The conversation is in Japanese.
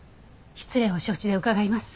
失礼を承知で伺います。